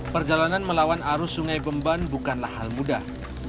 perjalanan melawan arus sungai bemban bukanlah hal mudah